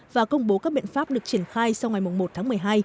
và công bố các biện pháp được triển khai sau ngày một tháng một mươi hai